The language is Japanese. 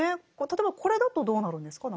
例えばこれだとどうなるんですか？